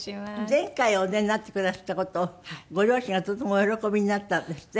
前回お出になってくだすった事をご両親がとてもお喜びになったんですって？